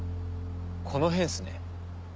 この辺っすね。